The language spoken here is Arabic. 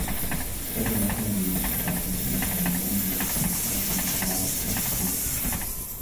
اصطدم سامي بشجرة لأنّه لم يكن قادرا على رؤية شيء.